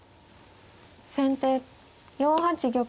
先手４八玉。